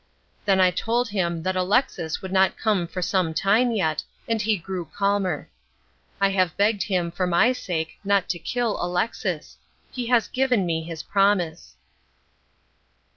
Then I told him that Alexis would not come for some time yet, and he grew calmer. I have begged him for my sake not to kill Alexis. He has given me his promise.